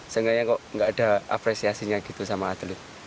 seenggaknya kok nggak ada apresiasinya gitu sama atlet